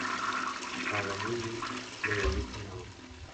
Paganini le dedica la Op.